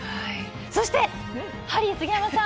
そして、ハリー杉山さん